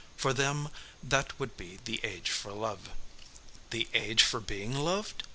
For them that would be the age for love. "The age for being loved?"